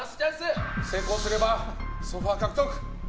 成功すればソファ獲得。